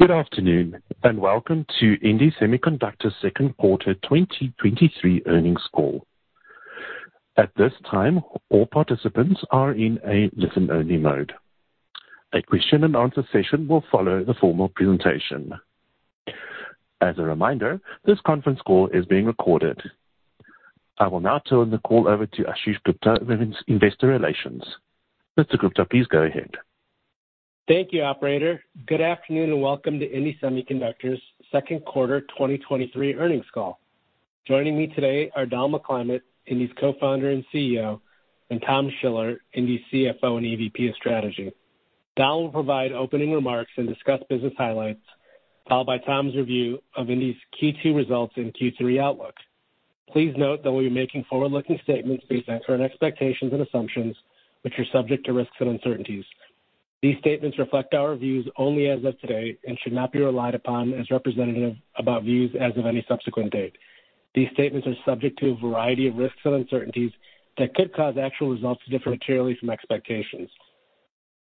Good afternoon, and welcome to indie Semiconductor's second quarter 2023 earnings call. At this time, all participants are in a listen-only mode. A question and answer session will follow the formal presentation. As a reminder, this conference call is being recorded. I will now turn the call over to Ashish Gupta, Investor Relations. Mr. Gupta, please go ahead. Thank you, operator. Good afternoon, and welcome to indie Semiconductor's second quarter 2023 earnings call. Joining me today are Donald McClymont, indie's Co-founder and CEO, and Tom Schiller, indie's CFO and EVP of Strategy. Don will provide opening remarks and discuss business highlights, followed by Tom's review of indie's Q2 results and Q3 outlook. Please note that we'll be making forward-looking statements based on current expectations and assumptions, which are subject to risks and uncertainties. These statements reflect our views only as of today and should not be relied upon as representative about views as of any subsequent date. These statements are subject to a variety of risks and uncertainties that could cause actual results to differ materially from expectations.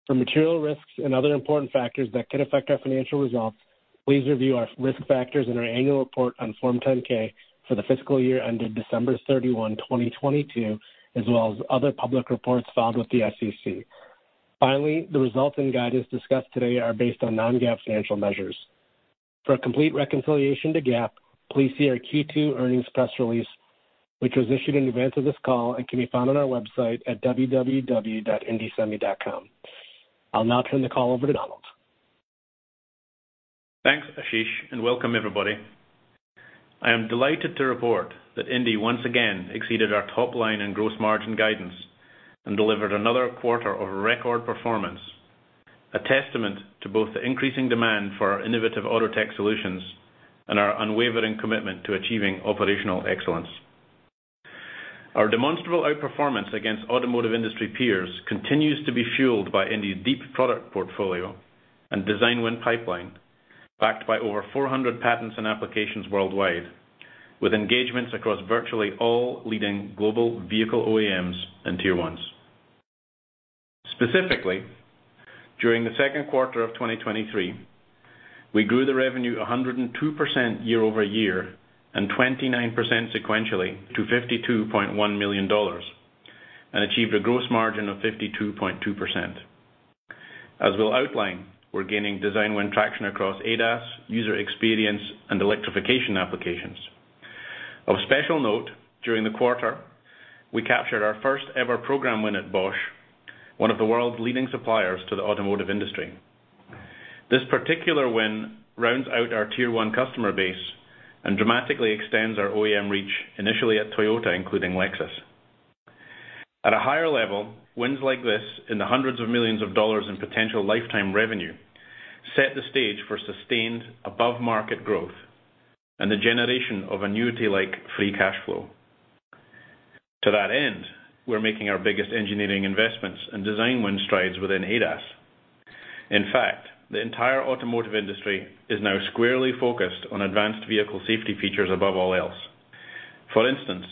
For material risks and other important factors that could affect our financial results, please review our risk factors in our annual report on Form 10-K for the fiscal year ended December 31, 2022, as well as other public reports filed with the SEC. The results and guidance discussed today are based on non-GAAP financial measures. For a complete reconciliation to GAAP, please see our Q2 earnings press release, which was issued in advance of this call and can be found on our website at www.indiesemi.com. I'll now turn the call over to Donald. Thanks, Ashish, welcome everybody. I am delighted to report that Indie once again exceeded our top line and gross margin guidance and delivered another quarter of record performance, a testament to both the increasing demand for our innovative autotech solutions and our unwavering commitment to achieving operational excellence. Our demonstrable outperformance against automotive industry peers continues to be fueled by indie's deep product portfolio and design win pipeline, backed by over 400 patents and applications worldwide, with engagements across virtually all leading global vehicle OEMs and Tier 1s. Specifically, during 2Q 2023, we grew the revenue 102% year-over-year and 29% sequentially to $52.1 million, and achieved a gross margin of 52.2%. As we'll outline, we're gaining design win traction across ADAS, user experience, and electrification applications. Of special note, during the quarter, we captured our first ever program win at Bosch, one of the world's leading suppliers to the automotive industry. This particular win rounds out our Tier 1 customer base and dramatically extends our OEM reach, initially at Toyota, including Lexus. At a higher level, wins like this, in the hundreds of millions of dollars in potential lifetime revenue, set the stage for sustained above-market growth and the generation of annuity-like free cash flow. To that end, we're making our biggest engineering investments and design win strides within ADAS. In fact, the entire automotive industry is now squarely focused on advanced vehicle safety features above all else. For instance,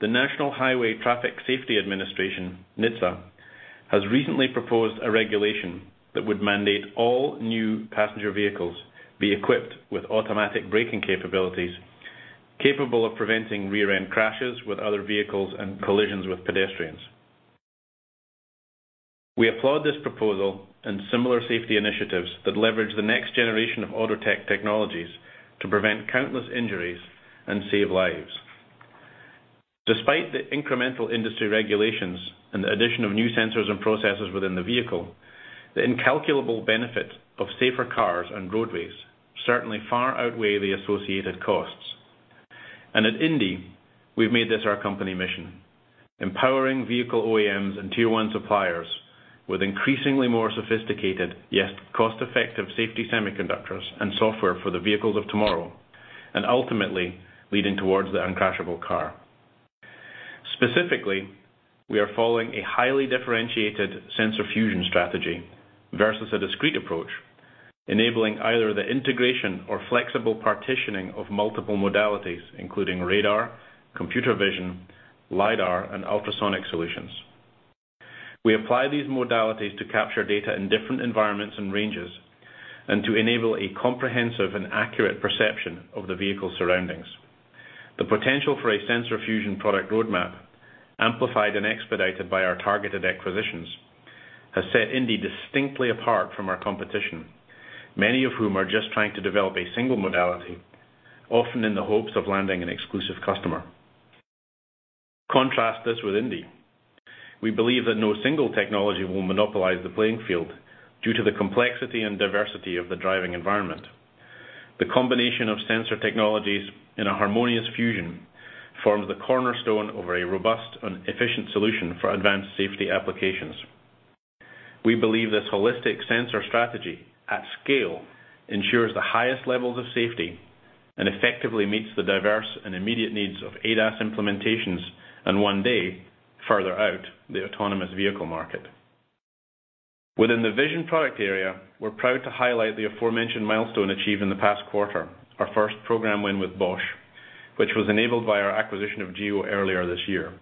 the National Highway Traffic Safety Administration, NHTSA, has recently proposed a regulation that would mandate all new passenger vehicles be equipped with automatic braking capabilities, capable of preventing rear-end crashes with other vehicles and collisions with pedestrians. We applaud this proposal and similar safety initiatives that leverage the next generation of auto tech technologies to prevent countless injuries and save lives. Despite the incremental industry regulations and the addition of new sensors and processes within the vehicle, the incalculable benefits of safer cars and roadways certainly far outweigh the associated costs. At Indie, we've made this our company mission, empowering vehicle OEMs and Tier 1 suppliers with increasingly more sophisticated, yet cost-effective, safety semiconductors and software for the vehicles of tomorrow, and ultimately leading towards the uncrashable car. Specifically, we are following a highly differentiated sensor fusion strategy versus a discrete approach, enabling either the integration or flexible partitioning of multiple modalities, including radar, computer vision, lidar, and ultrasonic solutions. We apply these modalities to capture data in different environments and ranges and to enable a comprehensive and accurate perception of the vehicle's surroundings. The potential for a sensor fusion product roadmap, amplified and expedited by our targeted acquisitions, has set indie distinctly apart from our competition, many of whom are just trying to develop a single modality, often in the hopes of landing an exclusive customer. Contrast this with indie. We believe that no single technology will monopolize the playing field due to the complexity and diversity of the driving environment. The combination of sensor technologies in a harmonious fusion forms the cornerstone of a robust and efficient solution for advanced safety applications. We believe this holistic sensor strategy at scale ensures the highest levels of safety and effectively meets the diverse and immediate needs of ADAS implementations and one day, further out, the autonomous vehicle market. Within the vision product area, we're proud to highlight the aforementioned milestone achieved in the past quarter, our first program win with Bosch, which was enabled by our acquisition of GEO earlier this year.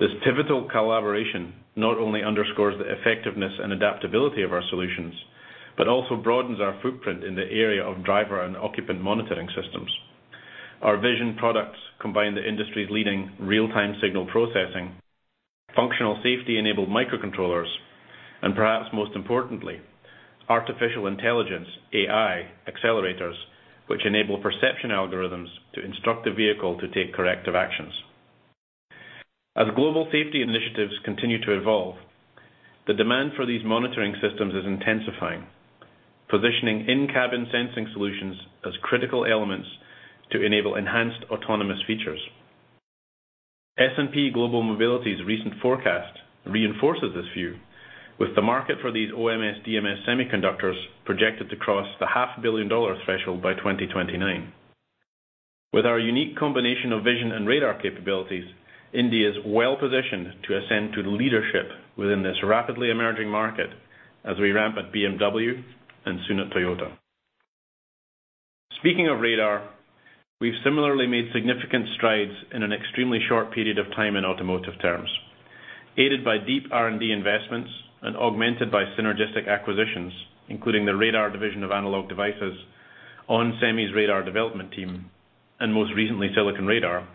This pivotal collaboration not only underscores the effectiveness and adaptability of our solutions, but also broadens our footprint in the area of driver and occupant monitoring systems. Our vision products combine the industry's leading real-time signal processing, functional safety-enabled microcontrollers, and perhaps most importantly, artificial intelligence, AI, accelerators, which enable perception algorithms to instruct the vehicle to take corrective actions. As global safety initiatives continue to evolve, the demand for these monitoring systems is intensifying, positioning in-cabin sensing solutions as critical elements to enable enhanced autonomous features. S&P Global Mobility's recent forecast reinforces this view, with the market for these OMS/DMS semiconductors projected to cross the $500 million threshold by 2029. With our unique combination of vision and radar capabilities, indie is well positioned to ascend to leadership within this rapidly emerging market as we ramp at BMW and soon at Toyota. Speaking of radar, we've similarly made significant strides in an extremely short period of time in automotive terms, aided by deep R&D investments and augmented by synergistic acquisitions, including the radar division of Analog Devices, ON Semi's radar development team, and most recently, Silicon Radar,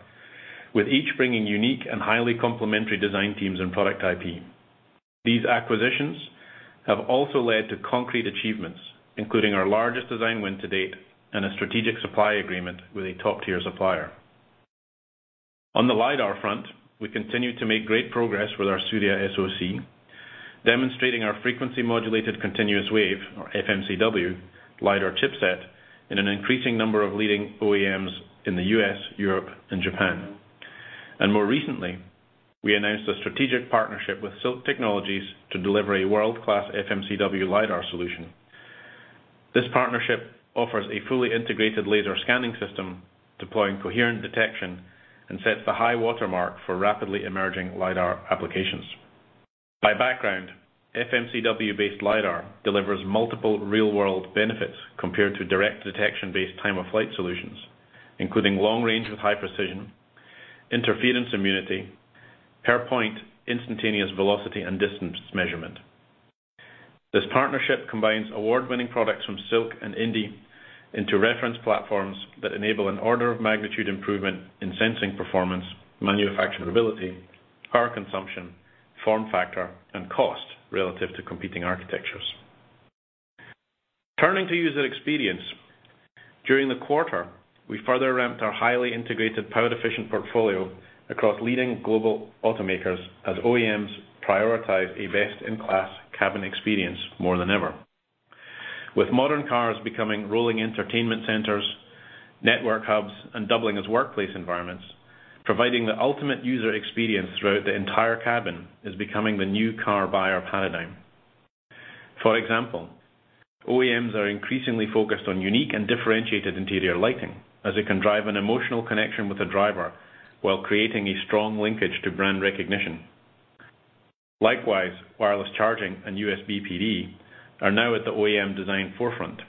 with each bringing unique and highly complementary design teams and product IP. These acquisitions have also led to concrete achievements, including our largest design win to date and a strategic supply agreement with a top-tier supplier. On the LiDAR front, we continue to make great progress with our Surya SoC, demonstrating our frequency modulated continuous wave, or FMCW, LiDAR chipset in an increasing number of leading OEMs in the US, Europe, and Japan. More recently, we announced a strategic partnership with SiLC Technologies to deliver a world-class FMCW LiDAR solution. This partnership offers a fully integrated laser scanning system, deploying coherent detection, and sets the high watermark for rapidly emerging LiDAR applications. By background, FMCW-based LiDAR delivers multiple real-world benefits compared to direct detection-based time-of-flight solutions, including long range with high precision, interference immunity, per point, instantaneous velocity and distance measurement. This partnership combines award-winning products from SiLC and indie into reference platforms that enable an order of magnitude improvement in sensing performance, manufacturability, power consumption, form factor, and cost relative to competing architectures. Turning to user experience. During the quarter, we further ramped our highly integrated, power-efficient portfolio across leading global automakers as OEMs prioritize a best-in-class cabin experience more than ever. With modern cars becoming rolling entertainment centers, network hubs, and doubling as workplace environments, providing the ultimate user experience throughout the entire cabin is becoming the new car buyer paradigm. For example, OEMs are increasingly focused on unique and differentiated interior lighting, as it can drive an emotional connection with the driver while creating a strong linkage to brand recognition. Likewise, wireless charging and USB PD are now at the OEM design forefront.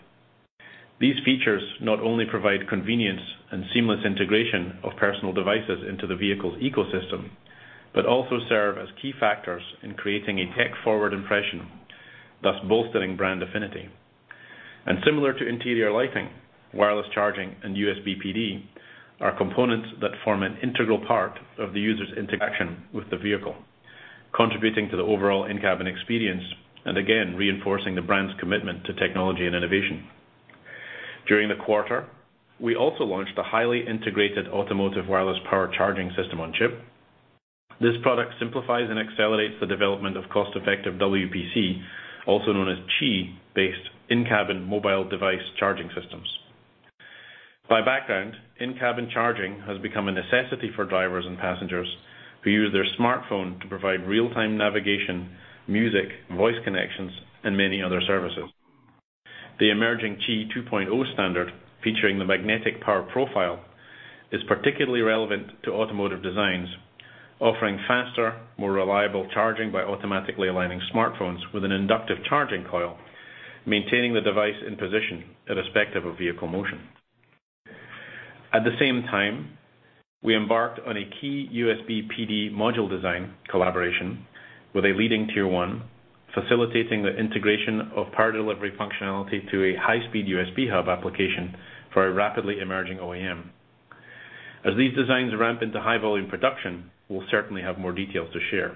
These features not only provide convenience and seamless integration of personal devices into the vehicle's ecosystem, but also serve as key factors in creating a tech-forward impression, thus bolstering brand affinity. Similar to interior lighting, wireless charging and USB PD are components that form an integral part of the user's interaction with the vehicle, contributing to the overall in-cabin experience, and again, reinforcing the brand's commitment to technology and innovation. During the quarter, we also launched a highly integrated automotive wireless power charging system-on-chip. This product simplifies and accelerates the development of cost-effective WPC, also known as Qi, based in-cabin mobile device charging systems. By background, in-cabin charging has become a necessity for drivers and passengers who use their smartphone to provide real-time navigation, music, voice connections, and many other services. The emerging Qi2 standard, featuring the Magnetic Power Profile, is particularly relevant to automotive designs, offering faster, more reliable charging by automatically aligning smartphones with an inductive charging coil, maintaining the device in position irrespective of vehicle motion. At the same time, we embarked on a key USB PD module design collaboration with a leading Tier 1, facilitating the integration of power delivery functionality to a high-speed USB hub application for a rapidly emerging OEM. As these designs ramp into high volume production, we'll certainly have more details to share.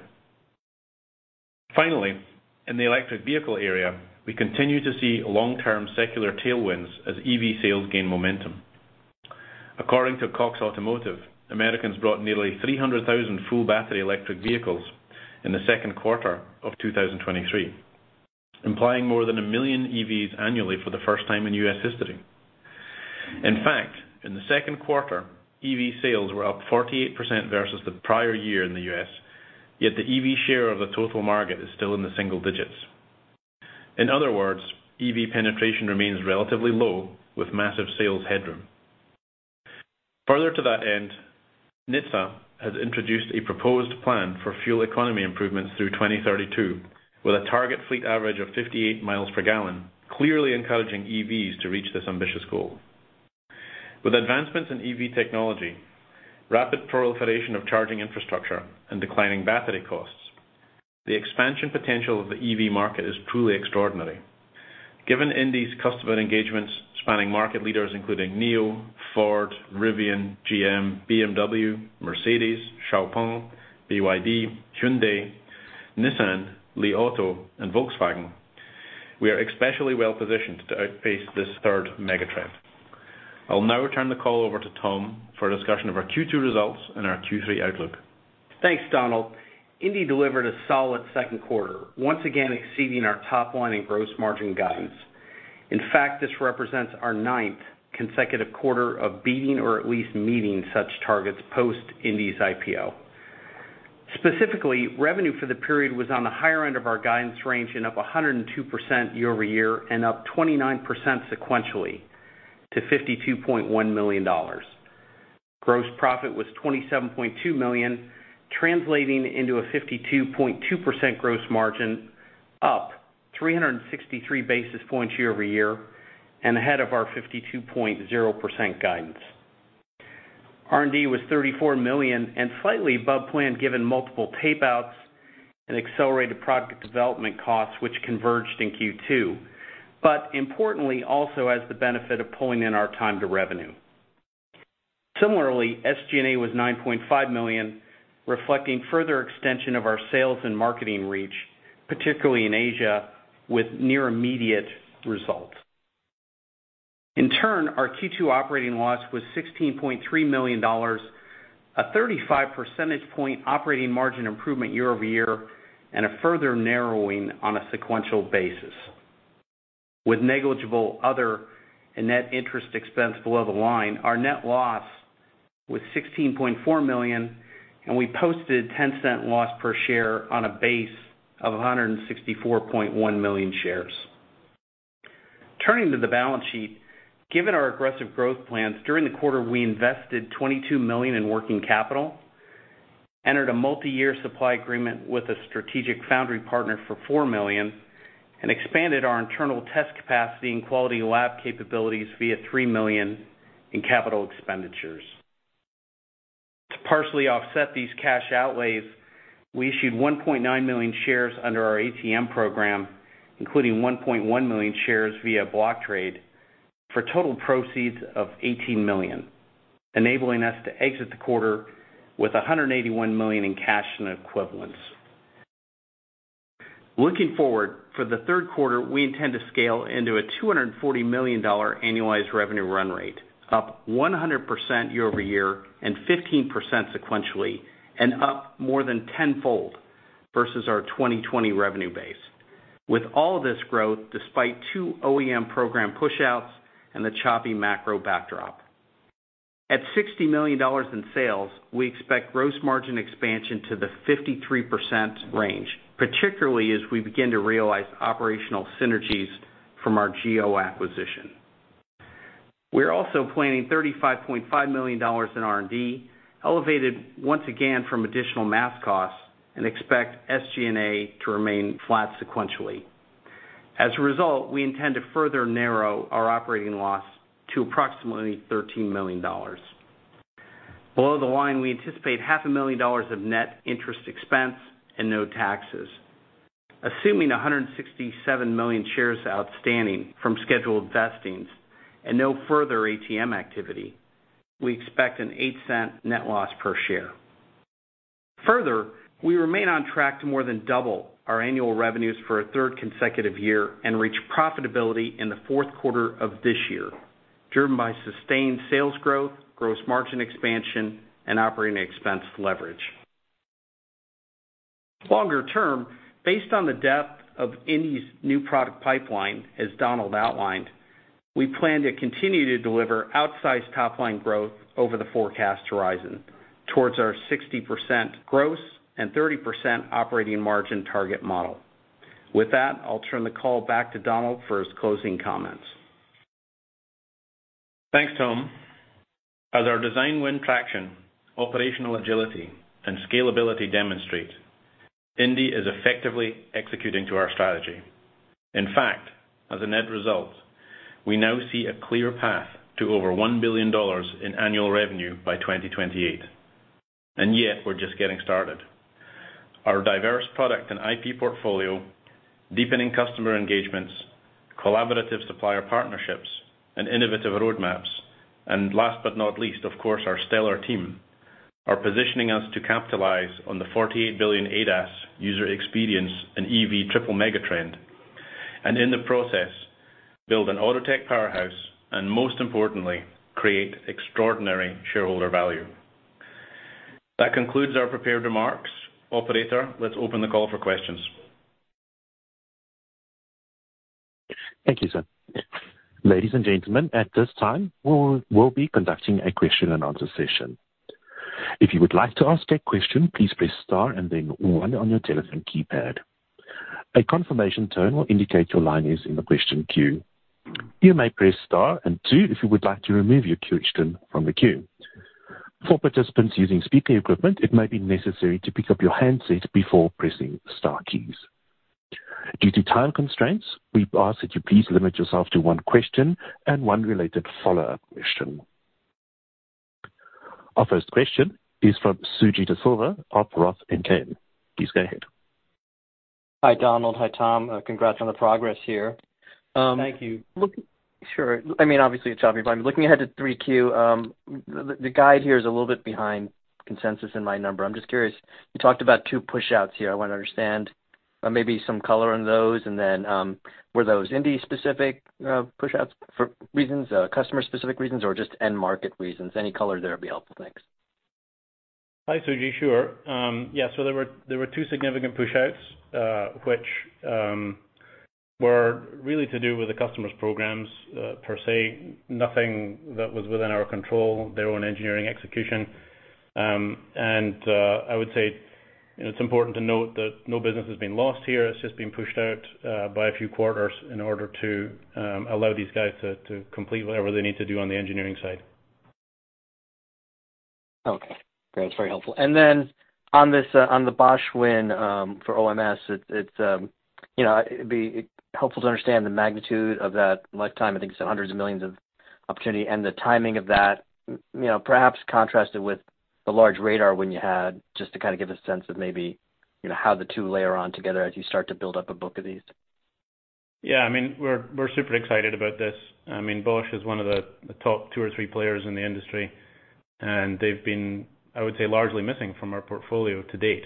Finally, in the electric vehicle area, we continue to see long-term secular tailwinds as EV sales gain momentum. According to Cox Automotive, Americans brought nearly 300,000 full battery electric vehicles in the second quarter of 2023, implying more than 1 million EVs annually for the first time in U.S. history. In fact, in the second quarter, EV sales were up 48% versus the prior year in the US, yet the EV share of the total market is still in the single digits. In other words, EV penetration remains relatively low, with massive sales headroom. Further to that end, NHTSA has introduced a proposed plan for fuel economy improvements through 2032, with a target fleet average of 58 miles per gallon, clearly encouraging EVs to reach this ambitious goal. With advancements in EV technology, rapid proliferation of charging infrastructure, and declining battery costs, the expansion potential of the EV market is truly extraordinary. Given Indie's customer engagements spanning market leaders including NIO, Ford, Rivian, GM, BMW, Mercedes, XPeng, BYD, Hyundai, Nissan, Li Auto, and Volkswagen, we are especially well positioned to outpace this third mega trend. I'll now turn the call over to Tom for a discussion of our Q2 results and our Q3 outlook. Thanks, Donald. Indie delivered a solid second quarter, once again, exceeding our top line and gross margin guidance. This represents our ninth consecutive quarter of beating or at least meeting such targets post indie's IPO. Revenue for the period was on the higher end of our guidance range and up 102% year-over-year, and up 29 sequentially to $52.1 million. Gross profit was $27.2 million, translating into a 52.2% gross margin, up 363 basis points year-over-year, and ahead of our 52.0% guidance. R&D was $34 million and slightly above plan, given multiple payouts and accelerated product development costs, which converged in Q2, importantly, also has the benefit of pulling in our time to revenue. Similarly, SG&A was $9.5 million, reflecting further extension of our sales and marketing reach, particularly in Asia, with near immediate results. Turn, our Q2 operating loss was $16.3 million, a 35 percentage point operating margin improvement year-over-year, and a further narrowing on a sequential basis. With negligible other and net interest expense below the line, our net loss was $16.4 million, and we posted $0.10 loss per share on a base of 164.1 million shares. Turning to the balance sheet, given our aggressive growth plans, during the quarter, we invested $22 million in working capital, entered a multiyear supply agreement with a strategic foundry partner for $4 million, and expanded our internal test capacity and quality lab capabilities via $3 million in capital expenditures. To partially offset these cash outlays, we issued 1.9 million shares under our ATM program, including 1.1 million shares via block trade, for total proceeds of $18 million, enabling us to exit the quarter with $181 million in cash and equivalents. Looking forward, for the 3rd quarter, we intend to scale into a $240 million annualized revenue run rate, up 100% year-over-year and 15% sequentially, and up more than 10x versus our 2020 revenue base. With all this growth, despite two OEM program pushouts and the choppy macro backdrop. At $60 million in sales, we expect gross margin expansion to the 53% range, particularly as we begin to realize operational synergies from our GEO acquisition. We are also planning $35.5 million in R&D, elevated once again from additional mask costs, and expect SG&A to remain flat sequentially. As a result, we intend to further narrow our operating loss to approximately $13 million. Below the line, we anticipate $500,000 of net interest expense and no taxes. Assuming 167 million shares outstanding from scheduled vestings and no further ATM activity, we expect a $0.08 net loss per share. Further, we remain on track to more than double our annual revenues for a third consecutive year and reach profitability in the fourth quarter of this year, driven by sustained sales growth, gross margin expansion, and operating expense leverage. Longer term, based on the depth of Indie's new product pipeline, as Donald outlined, we plan to continue to deliver outsized top-line growth over the forecast horizon towards our 60% gross and 30% operating margin target model. With that, I'll turn the call back to Donald for his closing comments. Thanks, Tom. As our design win traction, operational agility, and scalability demonstrate, indie is effectively executing to our strategy. In fact, as a net result, we now see a clear path to over $1 billion in annual revenue by 2028, yet we're just getting started. Our diverse product and IP portfolio, deepening customer engagements, collaborative supplier partnerships, and innovative roadmaps, and last but not least, of course, our stellar team, are positioning us to capitalize on the $48 billion ADAS user experience and EV triple mega trend, in the process, build an autotech powerhouse and most importantly, create extraordinary shareholder value. That concludes our prepared remarks. Operator, let's open the call for questions. Thank you, sir. Ladies and gentlemen, at this time, we'll be conducting a question and answer session. If you would like to ask a question, please press star and then 1 on your telephone keypad. A confirmation tone will indicate your line is in the question queue. You may press star and 2, if you would like to remove your question from the queue. For participants using speaker equipment, it may be necessary to pick up your handset before pressing star keys. Due to time constraints, we ask that you please limit yourself to 1 question and 1 related follow-up question. Our first question is from Suji Desilva of Roth Capital Partners. Please go ahead. Hi, Donald. Hi, Tom. Congrats on the progress here. Thank you. Look, sure. I mean, obviously, it's obvious, but looking ahead to 3Q, the guide here is a little bit behind consensus in my number. I'm just curious, you talked about 2 pushouts here. I wanna understand, maybe some color on those, and then, were those indie-specific pushouts for reasons, customer-specific reasons, or just end-market reasons? Any color there would be helpful. Thanks. Hi, Suji. Sure. Yeah, there were, there were 2 significant pushouts, which, were really to do with the customer's programs, per se. Nothing that was within our control, their own engineering execution. I would say it's important to note that no business has been lost here. It's just been pushed out, by a few quarters in order to, allow these guys to, to complete whatever they need to do on the engineering side. Okay, great. That's very helpful. Then on this, on the Bosch win, for OMS, it, it's, you know, it'd be helpful to understand the magnitude of that lifetime. I think, it's $ hundreds of millions of opportunity and the timing of that, you know, perhaps contrasted with the large radar win you had, just to kind of give a sense of maybe, you know, how the two layer on together as you start to build up a book of these. I mean, we're, we're super excited about this. I mean, Bosch is one of the, the top two or three players in the industry, and they've been, I would say, largely missing from our portfolio to date.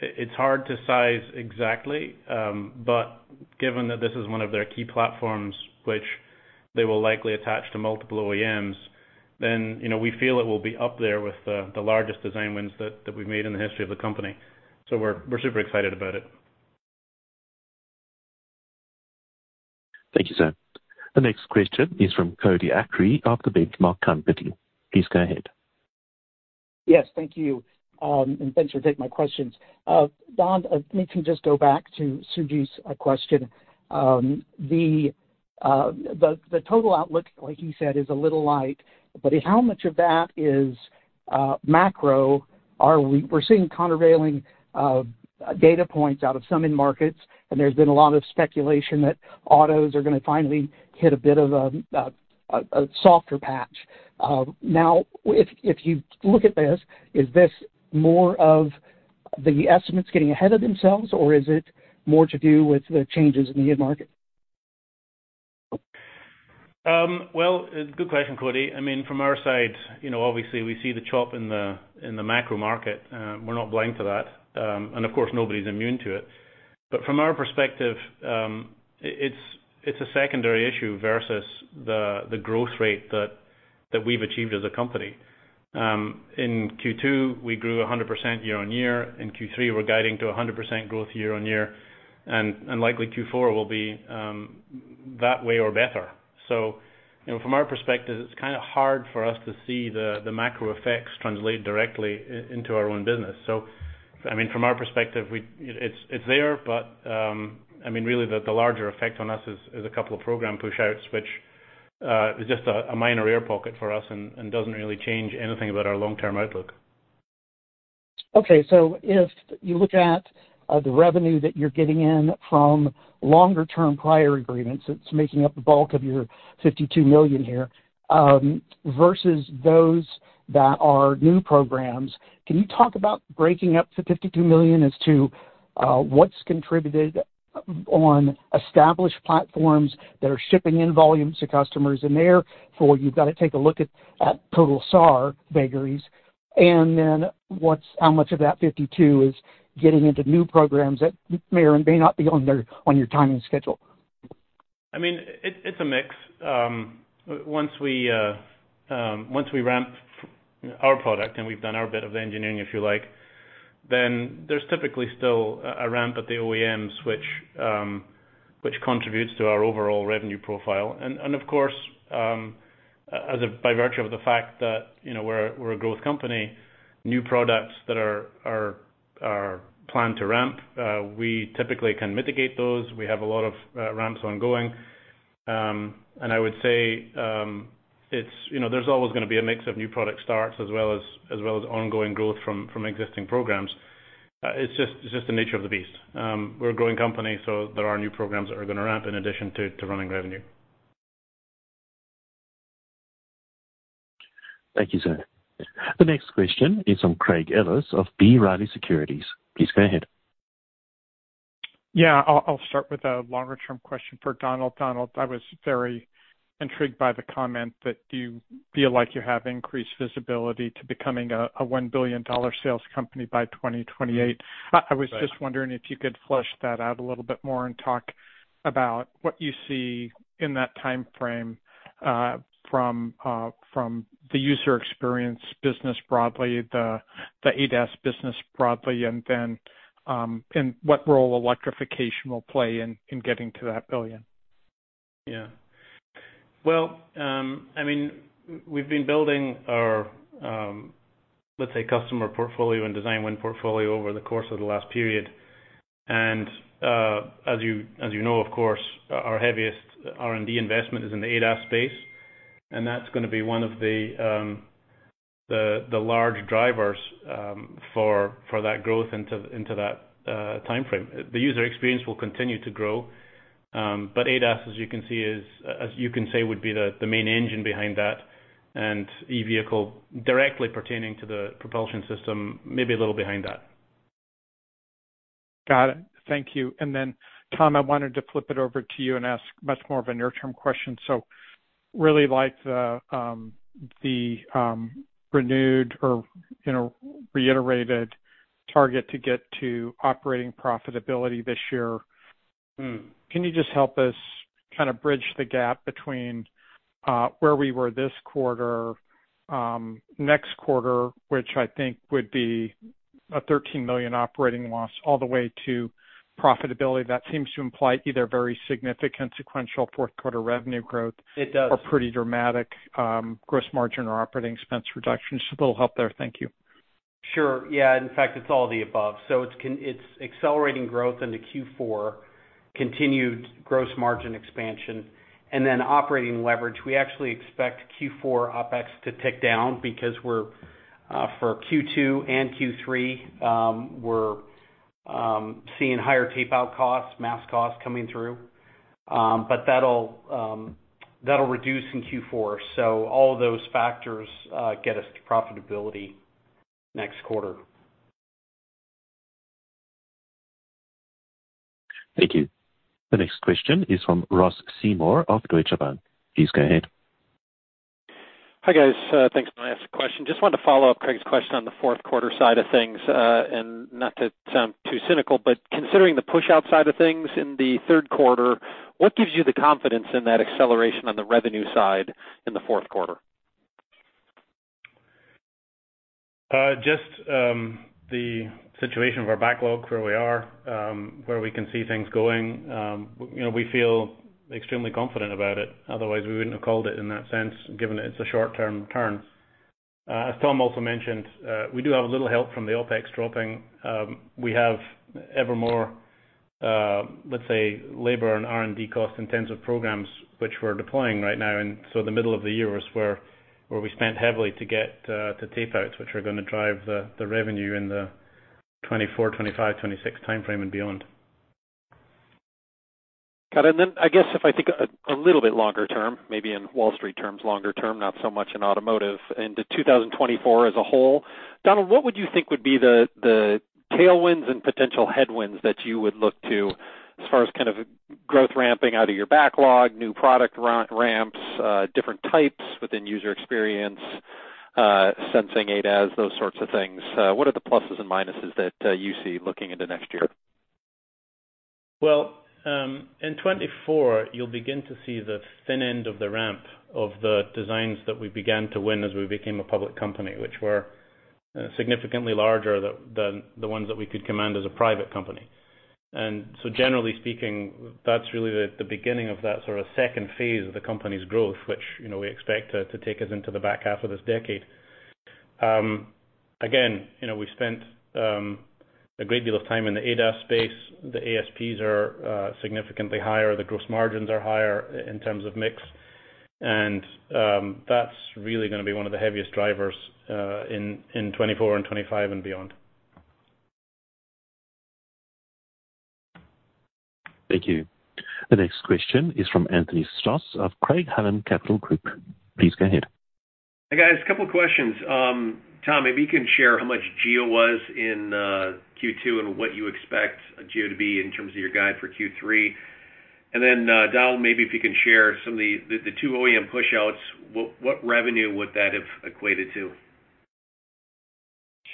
It's hard to size exactly, but given that this is one of their key platforms, which they will likely attach to multiple OEMs, then, you know, we feel it will be up there with the, the largest design wins that, that we've made in the history of the company. We're, we're super excited about it. Thank you, sir. The next question is from Cody Acree of The Benchmark Company. Please go ahead. Yes, thank you. Thanks for taking my questions. Don, let me just go back to Suji's question. The total outlook, like he said, is a little light, but how much of that is macro? We're seeing countervailing data points out of some end markets, and there's been a lot of speculation that autos are gonna finally hit a bit of a softer patch. Now, if you look at this, is this more of the estimates getting ahead of themselves, or is it more to do with the changes in the end market? Well, good question, Cody. I mean, from our side, you know, obviously, we see the chop in the, in the macro market. We're not blind to that. Of course, nobody's immune to it. From our perspective, it, it's, it's a secondary issue versus the, the growth rate that, that we've achieved as a company. In Q2, we grew 100% year-on-year. In Q3, we're guiding to 100% growth year-on-year, and, and likely Q4 will be, that way or better. You know, from our perspective, it's kinda hard for us to see the, the macro effects translate directly into our own business. I mean, from our perspective, it's, it's there, but, I mean, really, the, the larger effect on us is, is a couple of program pushouts, which is just a minor air pocket for us and doesn't really change anything about our long-term outlook. If you look at the revenue that you're getting in from longer term prior agreements, it's making up the bulk of your $52 million here, versus those that are new programs, can you talk about breaking up the $52 million as to what's contributed on established platforms that are shipping in volumes to customers, and therefore, you've got to take a look at, at total SAR binaries, and then how much of that 52 is getting into new programs that may or may not be on their, on your timing schedule? I mean, it, it's a mix. Once we, once we ramp our product and we've done our bit of the engineering, if you like, then there's typically still a, a ramp at the OEMs, which contributes to our overall revenue profile. Of course, as a, by virtue of the fact that, you know, we're, we're a growth company, new products that are, are, are planned to ramp, we typically can mitigate those. We have a lot of ramps ongoing. I would say, it's, you know, there's always gonna be a mix of new product starts as well as, as well as ongoing growth from, from existing programs. It's just, it's just the nature of the beast. We're a growing company, so there are new programs that are gonna ramp in addition to, to running revenue. Thank you, sir. The next question is from Craig Ellis of B. Riley Securities. Please go ahead. Yeah, I'll start with a longer-term question for Donald. Donald, I was very intrigued by the comment that you feel like you have increased visibility to becoming a $1 billion sales company by 2028. Right. I, I was just wondering if you could flush that out a little bit more and talk about what you see in that timeframe, from, from the user experience business broadly, the, the ADAS business broadly, and then, and what role electrification will play in, in getting to that $1 billion?... Yeah. Well, I mean, we've been building our, let's say, customer portfolio and design win portfolio over the course of the last period. As you, as you know, of course, our heaviest R&D investment is in the ADAS space, and that's gonna be one of the, the, the large drivers, for, for that growth into, into that timeframe. The user experience will continue to grow, but ADAS, as you can see, is, as you can say, would be the, the main engine behind that and e-vehicle directly pertaining to the propulsion system, maybe a little behind that. Got it. Thank you. Tom, I wanted to flip it over to you and ask much more of a near-term question. really like the renewed or, you know, reiterated target to get to operating profitability this year. Mm. Can you just help us kind of bridge the gap between, where we were this quarter, next quarter, which I think would be a $13 million operating loss all the way to profitability? That seems to imply either very significant sequential fourth quarter revenue growth It does. Pretty dramatic, gross margin or operating expense reductions. A little help there. Thank you. Sure. Yeah. In fact, it's all the above. It's accelerating growth into Q4, continued gross margin expansion and then operating leverage. We actually expect Q4 OpEx to tick down because we're for Q2 and Q3, we're seeing higher tapeout costs, mass costs coming through. That'll that'll reduce in Q4. All of those factors get us to profitability next quarter. Thank you. The next question is from Ross Seymour of Deutsche Bank. Please go ahead. Hi, guys. Thanks. My last question. Just wanted to follow up Craig's question on the fourth quarter side of things. Not to sound too cynical, but considering the push outside of things in the third quarter, what gives you the confidence in that acceleration on the revenue side in the fourth quarter? Just the situation of our backlog, where we are, where we can see things going, you know, we feel extremely confident about it. Otherwise, we wouldn't have called it in that sense, given it's a short-term turn. As Tom also mentioned, we do have a little help from the OpEx dropping. We have ever more, let's say, labor and R&D costs in terms of programs which we're deploying right now. So the middle of the year was where we spent heavily to get the tapeouts, which are going to drive the revenue in the 2024, 2025, 2026 timeframe and beyond. Got it. I guess if I think a, a little bit longer term, maybe in Wall Street terms, longer term, not so much in automotive, into 2024 as a whole, Donald, what would you think would be the, the tailwinds and potential headwinds that you would look to as far as kind of growth ramping out of your backlog, new product ra- ramps, different types within user experience, sensing ADAS, those sorts of things? What are the pluses and minuses that you see looking into next year? Well, in 2024, you'll begin to see the thin end of the ramp of the designs that we began to win as we became a public company, which were significantly larger than, than the ones that we could command as a private company. Generally speaking, that's really the, the beginning of that sort of second phase of the company's growth, which, you know, we expect to, to take us into the back half of this decade. Again, you know, we spent a great deal of time in the ADAS space. The ASPs are significantly higher. The gross margins are higher i-in terms of mix. That's really gonna be one of the heaviest drivers in 2024 and 2025 and beyond. Thank you. The next question is from Anthony Stoss of Craig-Hallum Capital Group. Please go ahead. Hi, guys. A couple questions. Tom, maybe you can share how much GEO was in Q2 and what you expect GEO to be in terms of your guide for Q3. Then, Donald, maybe if you can share some of the 2 OEM pushouts, what, what revenue would that have equated to?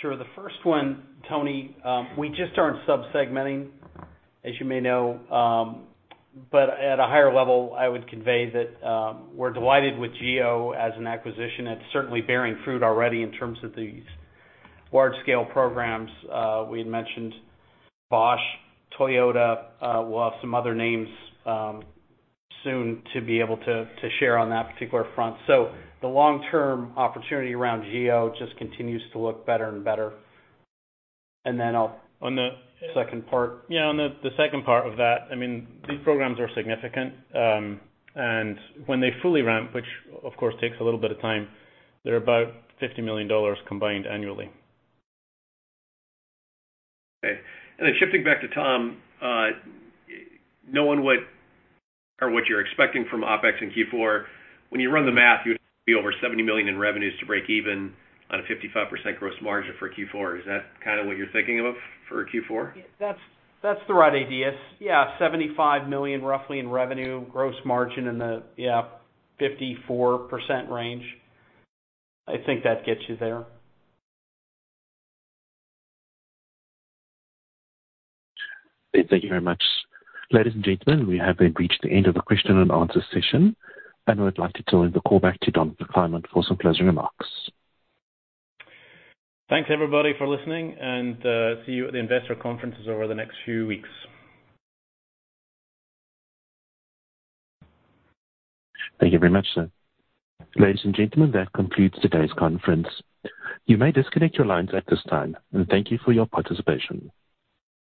Sure. The first one, Anthony, we just aren't sub-segmenting, as you may know. At a higher level, I would convey that, we're delighted with GEO Semiconductor as an acquisition. It's certainly bearing fruit already in terms of these large-scale programs. We had mentioned Bosch, Toyota, we'll have some other names, soon to be able to, to share on that particular front. The long-term opportunity around GEO Semiconductor just continues to look better and better. On the second part. Yeah, on the, the second part of that, I mean, these programs are significant, and when they fully ramp, which of course takes a little bit of time, they're about $50 million combined annually. Okay. Then shifting back to Tom, knowing what or what you're expecting from OpEx in Q4, when you run the math, you'd be over $70 million in revenues to break even on a 55% gross margin for Q4. Is that kind of what you're thinking of for Q4? That's, that's the right idea. Yeah, $75 million roughly in revenue, gross margin in the, yeah, 54% range. I think that gets you there. Thank you very much. Ladies and gentlemen, we have then reached the end of the question and answer session. I'd like to turn the call back to Donald McClement for some closing remarks. Thanks, everybody, for listening. See you at the investor conferences over the next few weeks. Thank you very much, sir. Ladies and gentlemen, that concludes today's conference. You may disconnect your lines at this time. Thank you for your participation.